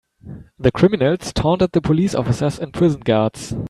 The criminals taunted the police officers and prison guards.